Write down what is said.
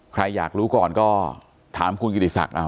ใครอยากรู้ก่อนก็ถามคุณกิติศักดิ์